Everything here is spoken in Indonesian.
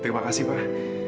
terima kasih pak